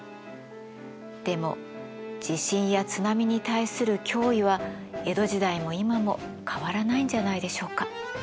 でも地震や津波に対する脅威は江戸時代も今も変わらないんじゃないでしょうか。